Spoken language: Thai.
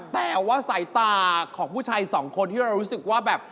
แต่ว่าสายตาของผู้ชายสองคนที่เรารู้สึกว่าแบบ